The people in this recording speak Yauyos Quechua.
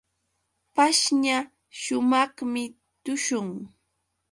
Pashña sumaqmi tushun.